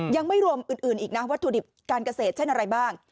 ยังไม่รวมอื่นอีกนะวัตถุดิบการเกษตรเช่นอะไรบ้าง